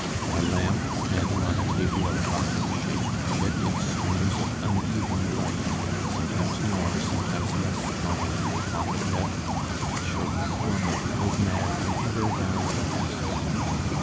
A lamp standing on a table of Gothic shape shed its streams of uneven light sometimes more, sometimes less strongly upon the bed and showed the form of the old man in ever varying aspects.